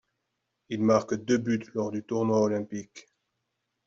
Il marque deux buts lors du tournoi olympique.